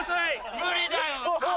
無理だよ！